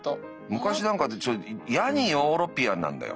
昔なんかいやにヨーロピアンなんだよ。